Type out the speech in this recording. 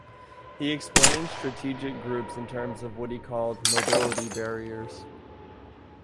He explained strategic groups in terms of what he called "mobility barriers".